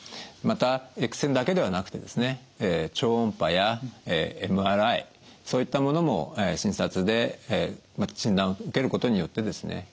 またＸ線だけではなくてですね超音波やＭＲＩそういったものも診察で診断を受けることによってですね